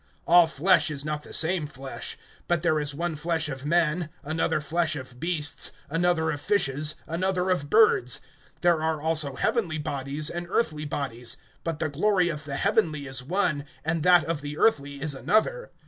(39)All flesh is not the same flesh; but there is one flesh of men, another flesh of beasts, another of fishes, another of birds. (40)There are also heavenly bodies, and earthly bodies; but the glory of the heavenly is one, and that of the earthly is another.